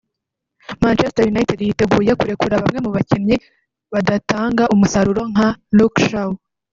Manchester United yiteguye kurekura bamwe mu bakinnyi badatanga umusaruro nka Luke Shaw